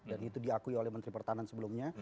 dan itu diakui oleh menteri pertahanan sebelumnya